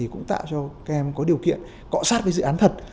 cũng tạo cho các em có điều kiện cọ sát với dự án thật